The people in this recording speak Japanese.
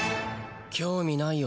興味ないよ